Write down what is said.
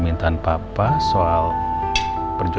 jangan lupa subscribe